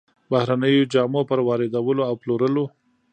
بهرنيو جامو پر واردولو او پلورلو